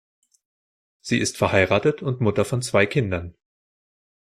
Sie ist verheiratet und Mutter von zwei Kindern.